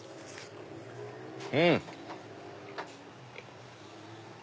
うん！